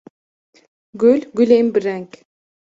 Gul, gulên bi reng